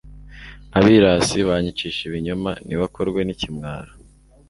abirasi banyicisha ibinyoma nibakorwe n'ikimwaro